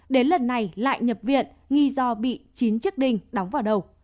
đến lần này lại nhập viện nghi do bị chín chiếc đình đóng vào đầu